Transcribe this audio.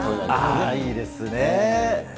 いいですね。